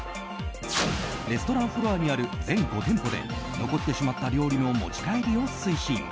レストランフロアにある全５店舗で残ってしまった料理の持ち帰りを推進。